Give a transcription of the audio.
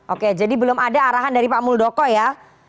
oke jadi belum ada arahan dari pak muldoko ya